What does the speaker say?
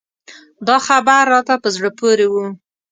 دا خبر راته په زړه پورې و.